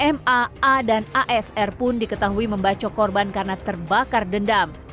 maa dan asr pun diketahui membacok korban karena terbakar dendam